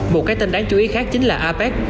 một cái tên đáng chú ý khác chính là apec